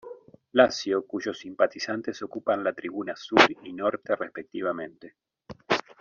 Lazio, cuyos simpatizantes ocupan la tribuna sur y norte respectivamente.